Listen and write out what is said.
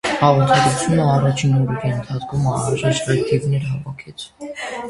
Հաղորդագրությունը առաջին օրերի ընթացքում անհրաժեշտ ռեթվիթեր հավաքեց։